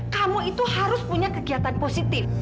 kamu itu harus punya kegiatan positif